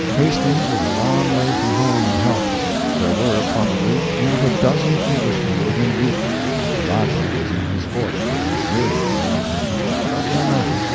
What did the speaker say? Hastings was a long way from home and help. There were, probably, not a dozen Englishmen within reach; the Rajah was in his fort with his myriads around him. But no matter.